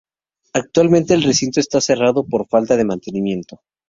Actualmente el recinto está cerrado por falta de mantenimiento.